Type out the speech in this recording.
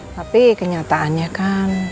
tapi kenyataannya kan